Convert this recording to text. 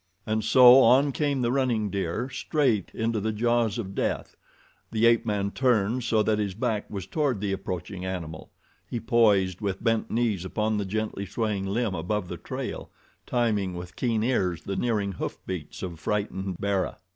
And so, on came the running deer, straight into the jaws of death. The ape man turned so that his back was toward the approaching animal. He poised with bent knees upon the gently swaying limb above the trail, timing with keen ears the nearing hoof beats of frightened Bara.